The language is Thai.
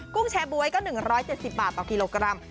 ุ้งแชร์บ๊วยก็๑๗๐บาทต่อกิโลกรัม